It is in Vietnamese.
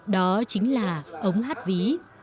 đó chính là ống hát ví